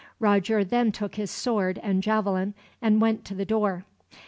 Roger then took his sword and javelin, and went to the door.